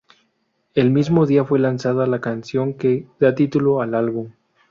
El mismo día fue lanzada la canción que da título al álbum.